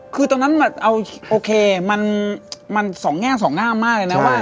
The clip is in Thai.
คือตอนนั้นโอเคมันสองแง่สองงามมากเลยนะว่า